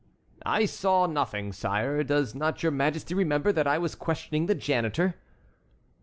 "I saw nothing, sire. Does not your Majesty remember that I was questioning the janitor?"